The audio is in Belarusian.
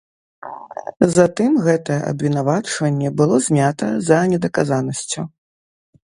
Затым гэтае абвінавачванне было знята за недаказанасцю.